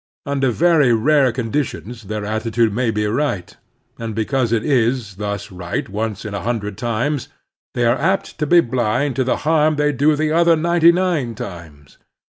Under very rare conditions their attitude may be right, and because it is thus right once in a htmdred times they are apt to be blind to the harm they do the other ninety nine times.